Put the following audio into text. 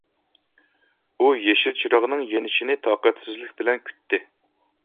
ئۇ يېشىل چىراغنىڭ يېنىشىنى تاقەتسىزلىك بىلەن كۈتتى.